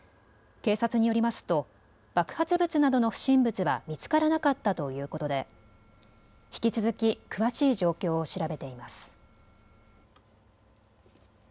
警察によりますと爆発物などの不審物は見つからなかったということで引き続き詳しい状況を調べています。